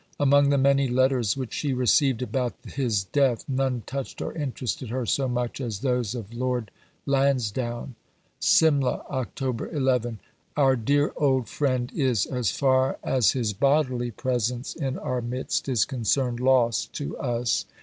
Among the many letters which she received about his death none touched or interested her so much as those of Lord Lansdowne: SIMLA, October 11. Our dear old friend is, as far as his bodily presence in our midst is concerned, lost to us.